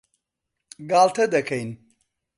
گاڵتە دەکەین.